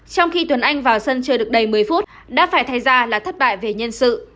trong khi tuấn anh vào sân chơi được đầy một mươi phút đã phải thấy ra là thất bại về nhân sự